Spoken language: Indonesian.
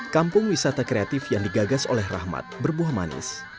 kampung wisata kreatif yang digagas oleh rahmat berbuah manis